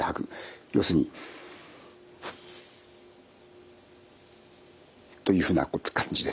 要するに。というふうな感じですね。